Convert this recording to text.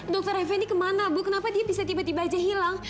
dokter effendi kemana bu kenapa dia bisa tiba tiba aja hilang